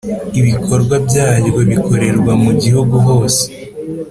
Ibikorwa byaryo bikorerwa mu gihugu hose